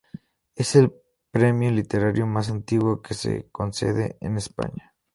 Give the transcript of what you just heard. Es el premio literario más antiguo que se concede en España.